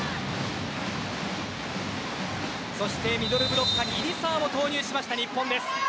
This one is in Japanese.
そしてミドルブロッカーに入澤を投入した日本です。